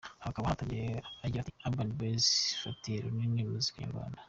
Aha akaba yatangiye agira ati”Urban Boyz ifatiye runini muzika nyarwanda.